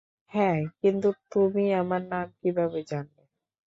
হ্যাঁ, কিন্তু তুমি আমার নাম কিভাবে জানলে?